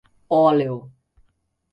Óleo